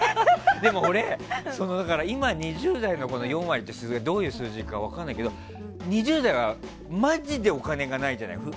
でも俺今２０代の４割って数字がどういう数字か分からないけど２０代はマジでお金がないじゃない。